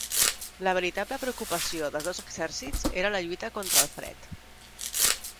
La veritable preocupació dels dos exèrcits era la lluita contra el fred.